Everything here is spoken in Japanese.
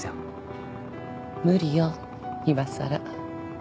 無理よいまさら。